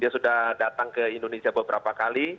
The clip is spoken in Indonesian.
dia sudah datang ke indonesia beberapa kali